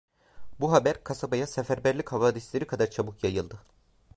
Bu haber kasabaya seferberlik havadisleri kadar çabuk yayıldı.